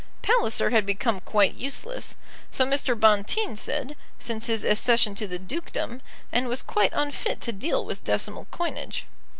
Palliser had become quite useless, so Mr. Bonteen said, since his accession to the dukedom, and was quite unfit to deal with decimal coinage.